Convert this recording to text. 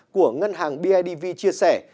của ngân hàng bidv chia sẻ